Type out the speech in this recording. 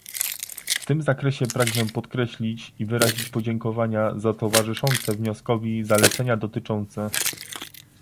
W tym zakresie pragnę podkreślić i wyrazić podziękowania za towarzyszące wnioskowi zalecenia dotyczące